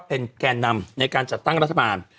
เป็นแก่นำในการจัดตั้งรัฐบาล